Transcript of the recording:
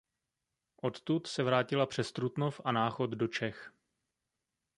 Odtud se vrátila přes Trutnov a Náchod do Čech.